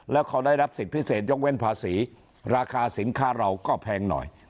แล้วเขาได้รับสิทธิพิเศษยกเว้นภาษีราคาสินค้าเราก็แพงหน่อย